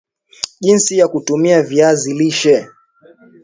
Jinsi ya kutumia viazi lishe